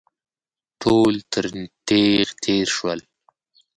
ټول تر تېغ تېر شول.